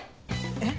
えっ